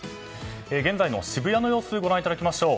現在の渋谷の様子ご覧いただきましょう。